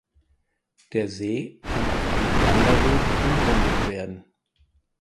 Der See kann auf einem Wanderweg umrundet werden.